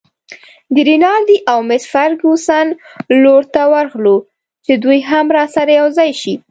د رینالډي او مس فرګوسن لور ته ورغلو چې دوی هم راسره یوځای شي.